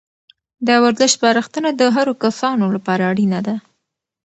د ورزش سپارښتنه د هرو کسانو لپاره اړینه ده.